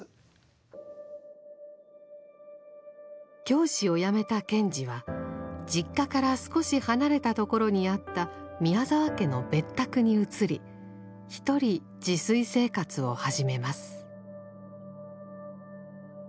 教師をやめた賢治は実家から少し離れたところにあった宮沢家の別宅に移り独り自炊生活を始めます。